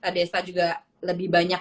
desta juga lebih banyak